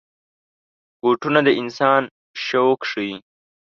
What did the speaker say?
بوټونه د انسان شوق ښيي.